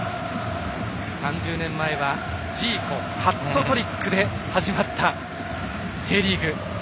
３０年前はジーコハットトリックで始まったＪリーグ。